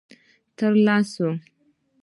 _تر لسو.